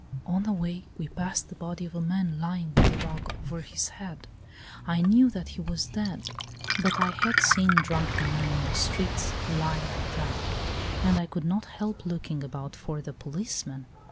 On the way we passed the body of a man lying with a rug over his head. I knew that he was dead ; but I had seen drunken men in the streets lie like that, and I could not help looking about for the policeman.